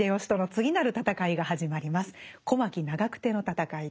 小牧・長久手の戦いです。